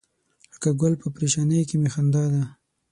لکه ګل په پرېشانۍ کې می خندا ده.